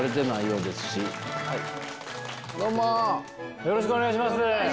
よろしくお願いします。